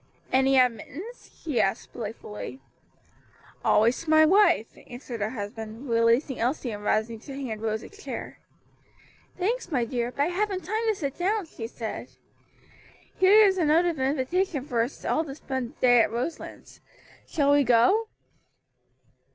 "Any admittance?" she asked playfully. "Always to my wife," answered her husband, releasing Elsie and rising to hand Rose a chair. "Thanks, my dear, but I haven't time to sit down," she said. "Here is a note of invitation for us all to spend the day at Roselands. Shall we go?"